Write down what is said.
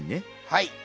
はい。